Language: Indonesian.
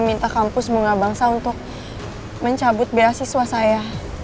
minta kampus bunga bangsa untuk mencabut beasiswa saya